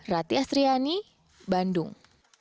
rati astriani bandung